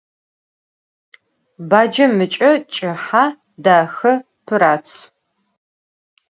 Bacem ıç'e ç'ıhe, daxe, pırats.